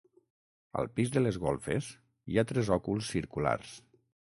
Al pis de les golfes hi ha tres òculs circulars.